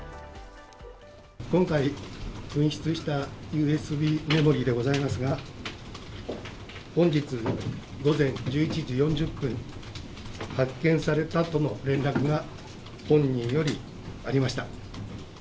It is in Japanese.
今回、紛失したＵＳＢメモリーでございますが本日、午前１１時４０分発見されたとの連絡が本人よりありました。